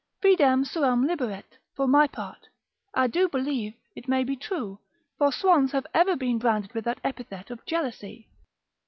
Fidem suam liberet; for my part, I do believe it may be true; for swans have ever been branded with that epithet of jealousy.